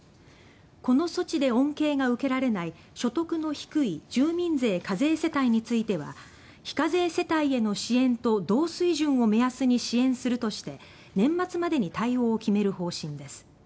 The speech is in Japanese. この措置で恩恵が受けられない所得の低い住民税非課税世帯については非課税世帯への支援と同水準を目安に支援するとして年末までに対応を決める方針です。